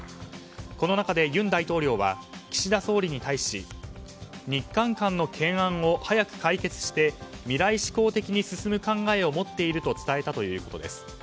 この中で尹大統領は岸田総理に対し日韓間の懸案を早く解決して未来志向的に進む考えを持っていると伝えたということです。